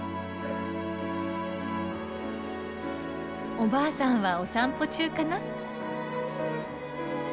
おばあさんはお散歩中かな。